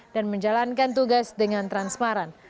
dan menjalankan tugas dengan transparan